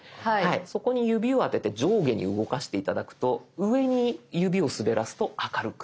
そこに指を当てて上下に動かして頂くと上に指を滑らすと明るく。